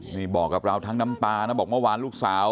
นี่บอกกับเราทั้งน้ำตานะบอกเมื่อวานลูกสาว